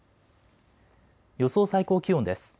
予想最高気温です。